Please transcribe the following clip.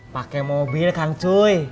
pake mobil kan cuy